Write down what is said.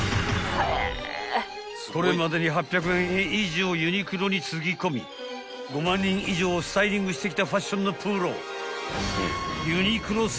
［これまでに８００万円以上ユニクロにつぎ込み５万人以上をスタイリングしてきたファッションのプロ］